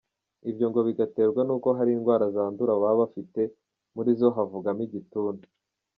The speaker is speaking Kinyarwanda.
Ibyo ngo bigaterwa n’uko hari indwara zandura baba bafite, muri zo havugamo igituntu.